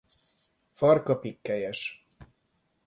Farka pikkelyes.